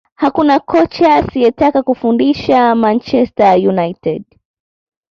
Hakuna kocha asiyetaka kufundisha Manchester United